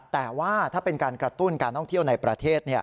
แต่ว่าถ้าเป็นการกระตุ้นการท่องเที่ยวในประเทศ